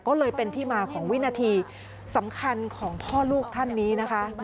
ก็เลยเป็นที่มาของวินาทีสำคัญของพ่อลูกท่านนี้นะคะ